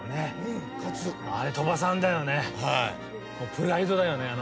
プライドだよね。